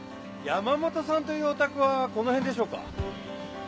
山本さんというお宅はこの辺でしょうか？